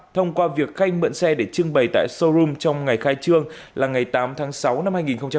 tám trăm linh thông qua việc khanh mượn xe để trưng bày tại showroom trong ngày khai trương là ngày tám tháng sáu năm hai nghìn hai mươi ba